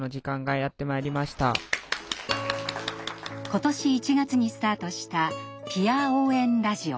今年１月にスタートしたぴあ応援ラジオ。